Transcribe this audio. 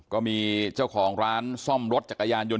ก็มีเจ้าของร้านซ่อมรถจักรยานยนต